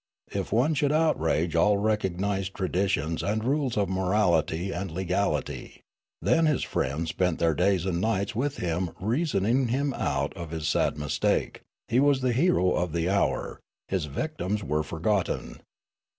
If one should outrage all recog nised traditions and rules of morality and legality, then his friends spent their days and nights with him reas oning him out of his sad mistake ; he was the hero of the hour ; his victims were forgotten.